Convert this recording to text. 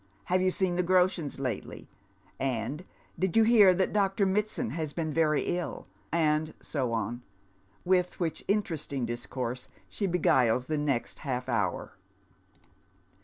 " Have you seen the Groshens lately ?" and " Did you hear that Dr. Mitsand has been very ill ?" and so on ; with which interesting discourse she beguiles the next half hour.